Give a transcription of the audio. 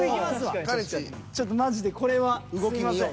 ちょっとマジでこれは。動き見よう。